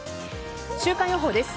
週間予報です。